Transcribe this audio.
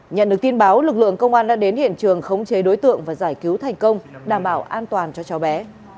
nhận được tin báo lực lượng công an đã đến hiện trường khống chế đối tượng và giải cứu thành công đảm bảo an toàn cho cháu bé